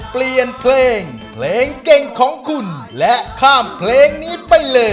เปลี่ยนเพลงเพลงเก่งของคุณและข้ามเพลงนี้ไปเลย